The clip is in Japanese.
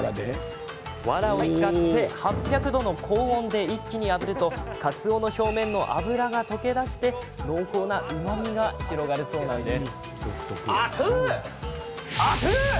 わらを使って８００度の高温で一気にあぶるとかつおの表面の脂が溶け出し濃厚なうまみが広がるそうなんです。